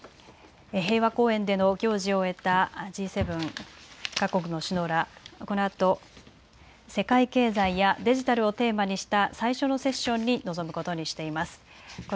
平和公園での行事を終えたＧ７各国の首脳らはこのあと世界経済やデジタルをテーマにした最初のセッションに臨むことにしています。